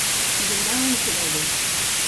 Durar un credo.